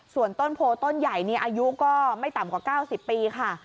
ส่วนต้นโพต้นใหญ่อายุก็ไม่ต่ำกว่า๙๐ปีค่ะ